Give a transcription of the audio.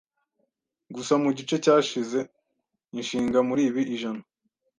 gusa mugice cyashize-inshinga muribi ijana